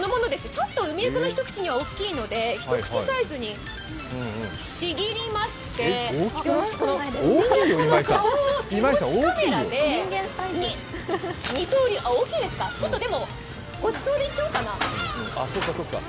ちょっとウミネコの一口には大きいので一口サイズにちぎりまして、このウミネコの顔を手持ちカメラで、二刀流大きいですか、でもごちそうでいっちゃおうかな。